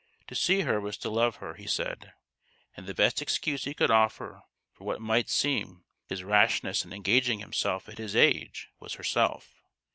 To see her was to love her, he said ; and the best excuse he could offer for what might seem his rash ness in engaging himself at his age was herself.